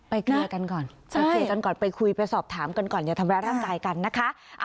ไปเคลียร์กันก่อนไปคุยไปสอบถามกันก่อนอย่าทำร้ายร่างกายกันนะคะ